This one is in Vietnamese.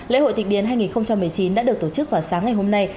lễ hội tịch điền hai nghìn một mươi chín đã được tổ chức vào sáng ngày hôm nay